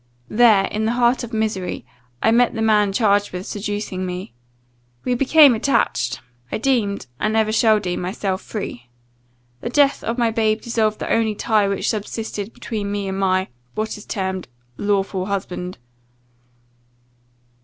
There, in the heart of misery, I met the man charged with seducing me. We became attached I deemed, and ever shall deem, myself free. The death of my babe dissolved the only tie which subsisted between me and my, what is termed, lawful husband.